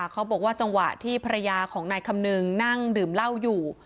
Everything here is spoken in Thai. เขาบอกว่าจังหวะที่ภรรยาของนายคำนึงนั่งดื่มเหล้าอยู่